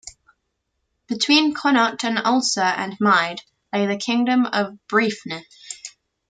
Between Connacht and Ulster and Mide lay the Kingdom of Breifne.